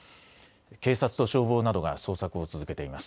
警察と消防などが捜索を続けています。